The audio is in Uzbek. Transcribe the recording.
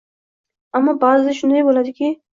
Ammo, baʼzida shunday bo‘ladiki.